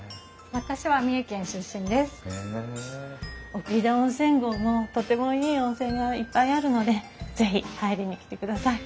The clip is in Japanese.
奥飛騨温泉郷もとてもいい温泉がいっぱいあるので是非入りに来てください。